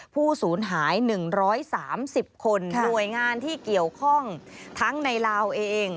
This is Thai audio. ผู้สูญหาย๑๓๐คนหน่วยงานที่เกี่ยวข้องทั้งในลาวเอง